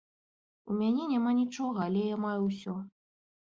У мяне няма нічога, але я маю ўсё.